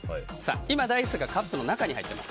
今、ダイスがカップの中に入っています。